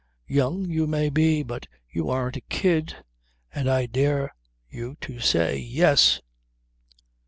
Young you may be, but you aren't a kid; and I dare you to say 'Yes!'"